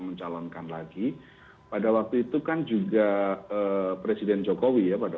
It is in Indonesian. mencalonkan lagi pada waktu itu kan juga presiden jokowi ya pada